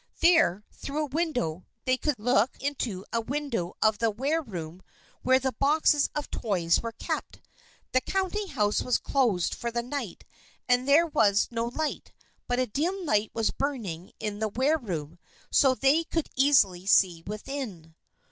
There, through a window, they could look into a window of the wareroom where the boxes of toys were kept. The counting house was closed for the night, and there was no light, but a dim light was burning in the wareroom, so they could easily see within.